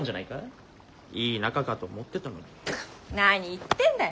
何言ってんだい！